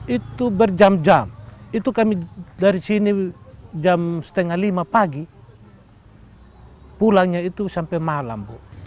itu berjam jam itu kami dari sini jam setengah lima pagi pulangnya itu sampai malam bu